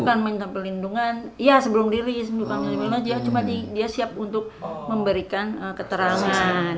bukan men celahkan pelindungan iya sebelum rilis ya cukup aja dia siap untuk memberikan keterangan